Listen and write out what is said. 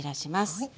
はい。